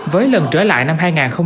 với lần trở lại năm hai nghìn một mươi chín